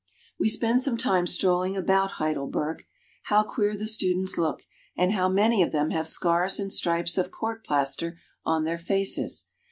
We spend some time strolling about Heidelberg. How queer the students look, and how many of them have scars and strips of court plaster on their faces.